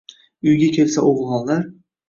Uyga kelsa o‘g‘lonlar